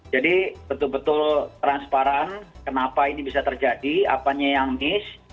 jadi betul betul transparan kenapa ini bisa terjadi apanya yang nice